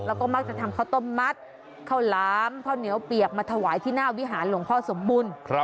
แล้วก็มักจะทำข้าวต้มมัดข้าวหลามข้าวเหนียวเปียกมาถวายที่หน้าวิหารหลวงพ่อสมบูรณ์